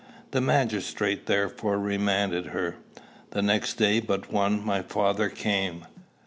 The magistrate therefore remanded her. The next day but one my father came.